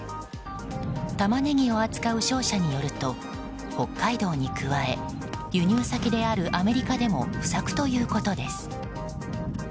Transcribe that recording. タマネギを扱う商社によると北海道に加え輸入先であるアメリカでも不作ということです。